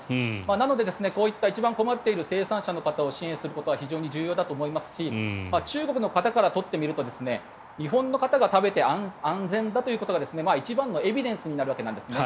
なので、こういった一番困っている生産者の方を支援することは非常に重要だと思いますし中国の方からとってみると日本の方が食べて安全だということが一番のエビデンスになるわけなんですね。